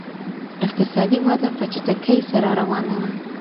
اقتصادي وده په چټکۍ سره روانه وه.